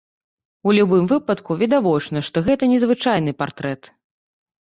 У любым выпадку відавочна, што гэта незвычайны партрэт.